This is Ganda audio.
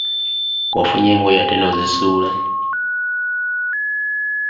Wafunye engoye ate n'ozisuula.